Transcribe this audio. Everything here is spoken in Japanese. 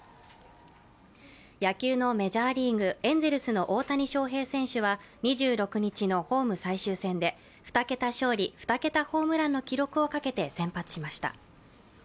野球のメジャーリーグ、エンゼルスの大谷翔平選手は２６日のホーム最終戦で、２桁勝利・２桁ホームランの記録をかけて先発しました。